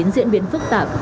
diễn biến phức tạp